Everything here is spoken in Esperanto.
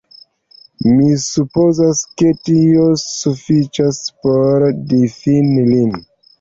Mi supozas ke tio sufiĉas por difini lin".